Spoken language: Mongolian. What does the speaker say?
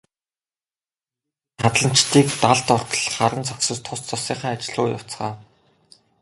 Ингээд тэд хадланчдыг далд ортол харан зогсож тус тусынхаа ажил руу явцгаав.